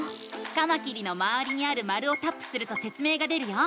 カマキリのまわりにある丸をタップするとせつ明が出るよ。